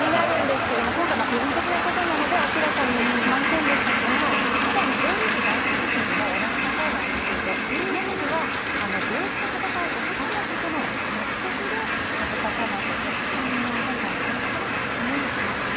今回は個人的なことなので明らかにしませんでしたが実はＪリーグ在籍時にも同じパフォーマンスをしていてその時は病気と闘う男の子との約束でハートパフォーマンスをしたということで今回も誰かとの約束なのかもしれません。